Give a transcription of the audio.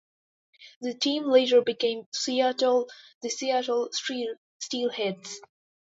The team later became the Seattle Steelheads.